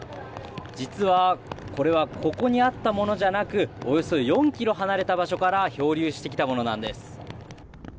実はこれはここにあったものじゃなくおよそ４ｋｍ離れた場所から漂流してきたものなんです。